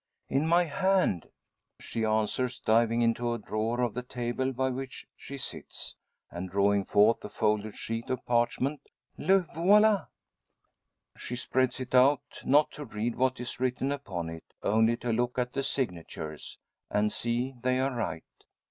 "In my hand," she answers, diving into a drawer of the table by which she sits, and drawing forth a folded sheet of parchment; "Le voila!" She spreads it out, not to read what is written upon it, only to look at the signatures, and see they are right.